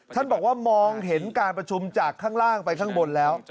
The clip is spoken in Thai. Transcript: ท่านบอกว่ามองเห็นการประชุมจากข้างล่างไปข้างบนแล้ว